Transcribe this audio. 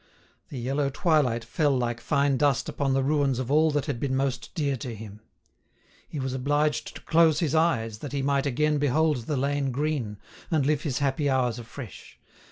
The yellow twilight fell like fine dust upon the ruins of all that had been most dear to him. He was obliged to close his eyes that he might again behold the lane green, and live his happy hours afresh.